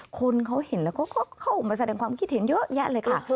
คนเขาเห็นแล้วก็เข้ามาแสดงความคิดเห็นเยอะแยะเลยค่ะ